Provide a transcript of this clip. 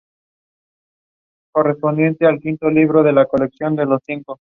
El punzón regresa luego a la posición inicial.